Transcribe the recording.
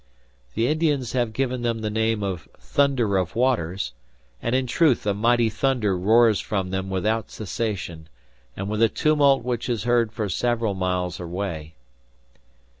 The Indians have given them the name of "Thunder of Waters," and in truth a mighty thunder roars from them without cessation, and with a tumult which is heard for several miles away.